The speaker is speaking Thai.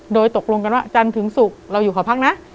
โดยตกลงกันว่าจันทร์ถึงศุกร์เราอยู่ขอพักนะ